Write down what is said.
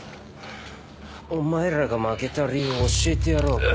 お前らが負けた理由教えてやろうか？